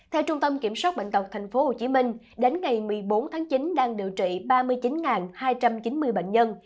theo trung tâm kiểm soát bệnh tật tp hcm đến ngày một mươi bốn tháng chín đang điều trị ba mươi chín hai trăm chín mươi bệnh nhân